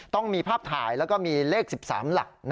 ต้องมีภาพถ่ายแล้วก็มีเลข๑๓หลัก